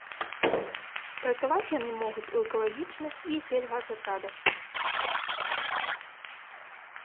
Працаваць яны могуць у экалагічных і сельгасатрадах.